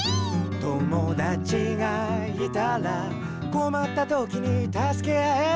「友だちがいたらこまったときにたすけ合える」